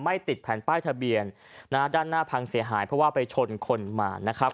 ติดแผ่นป้ายทะเบียนนะฮะด้านหน้าพังเสียหายเพราะว่าไปชนคนมานะครับ